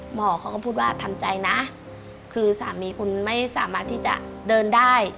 หมอเขาก็พูดว่าทำใจนะคือสามีคุณไม่สามารถที่จะเดินได้